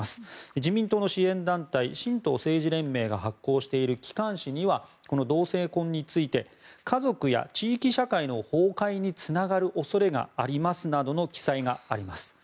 自民党の支援団体神道政治連盟が発行している機関誌には同性婚について家族や地域社会の崩壊につながる恐れがありますなどの記載があります。